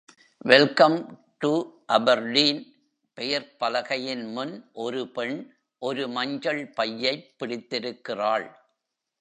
Welcome to Aberdeen பெயர்பலகையின் முன் ஒரு பெண் ஒரு மஞ்சள் பையைப் பிடித்திருக்கிறாள்.